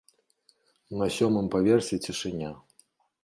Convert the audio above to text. На сёмым паверсе цішыня.